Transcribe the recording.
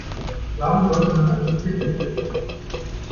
Warum sollte man also Kippeln verbieten?